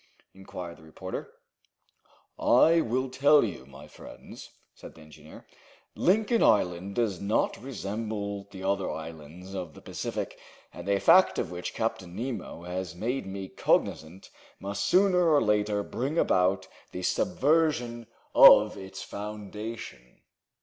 inquired the reporter. "I will tell you, my friends," said the engineer. "Lincoln Island does not resemble the other islands of the Pacific, and a fact of which Captain Nemo has made me cognizant must sooner or later bring about the subversion of its foundation."